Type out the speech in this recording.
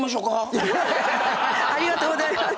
ありがとうございます。